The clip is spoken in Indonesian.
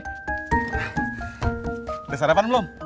udah sarapan belum